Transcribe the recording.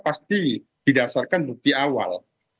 pasti didasarkan bukti awal